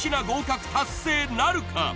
合格達成なるか？